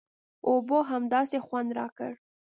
اوبو همداسې خوند راکړ.